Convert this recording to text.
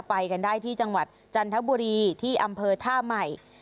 ไปกันได้ที่จังหวัดจันทบุรีที่อำเภอท่าใหม่